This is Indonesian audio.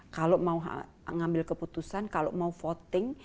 kalau mau ngambil keputusan kalau mau voting